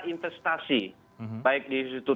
investasi baik di situ